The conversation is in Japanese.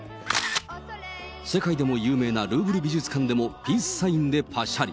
世界でも有名なルーブル美術館でもピースサインでぱしゃり。